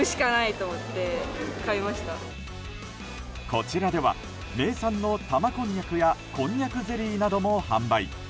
こちらでは名産の玉こんにゃくやこんにゃくゼリーなども販売。